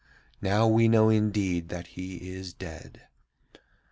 Now we know indeed that he is dead.